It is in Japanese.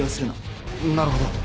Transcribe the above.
なるほど。